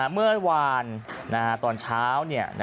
เมื่อวานตอนเช้าเนี่ย